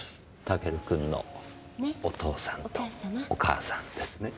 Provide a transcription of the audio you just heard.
タケル君のお父さんとお母さんですね。